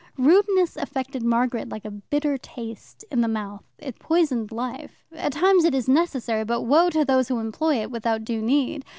Rudeness affected Margaret like a bitter taste in the mouth. It poisoned life. At times it is necessary, but woe to those who employ it without due need.